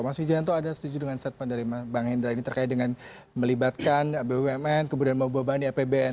mas wijayanto ada setuju dengan statement dari bang hendra ini terkait dengan melibatkan bumn kemudian membebani apbn